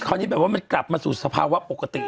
ที่แบบว่ามันกลับมาสู่สภาวะปกติ